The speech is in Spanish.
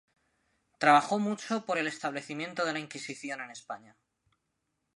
Trabajó mucho por el establecimiento de la Inquisición en España.